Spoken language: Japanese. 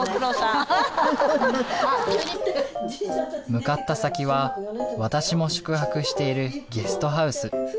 向かった先は私も宿泊しているゲストハウス。